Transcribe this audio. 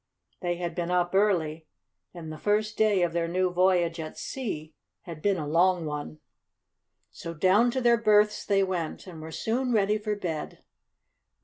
They had been up early, and the first day of their new voyage at sea had been a long one. So down to their berths they went and were soon ready for bed.